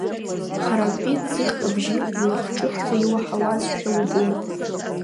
Харантәи ӡыхьк абжьы илахҿыхӡа иуаҳауазшәа убон.